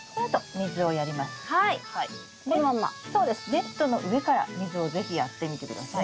ネットの上から水を是非やってみて下さい。